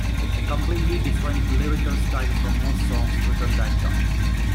A completely different lyrical style from most songs written that time.